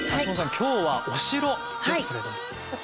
今日はお城ですけれども。